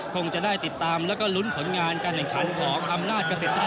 ควรจะได้ติดตามและก็ลุ้นผลงานการเนินขันของอำนาจเกษตรพัฒนา